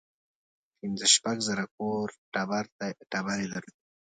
پنځه شپږ زره کور ټبر یې درلود.